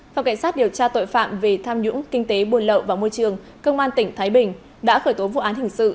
phòng cảnh sát điều tra tội phạm về tham nhũng kinh tế buồn lậu vào môi trường công an tỉnh thái bình đã khởi tố vụ án hình sự